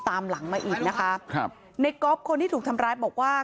ตามหลังมาอีกนะคะครับ